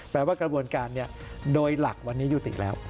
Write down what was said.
แปลว่ากระบวนการโดยหลักวันนี้ยุติแล้ว